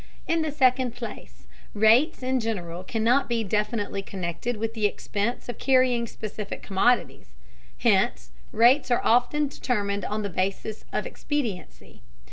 In the second place, rates in general cannot be definitely connected with the expense of carrying specific commodities, hence rates are often determined on the basis of expediency.